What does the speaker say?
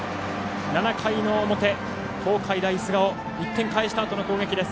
７回の表、東海大菅生１点返したあとの攻撃です。